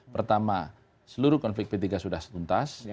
pertama seluruh konflik p tiga sudah setuntas